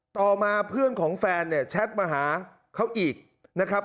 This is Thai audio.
ต่อมาเพื่อนของแฟนเนี่ยแชทมาหาเขาอีกนะครับ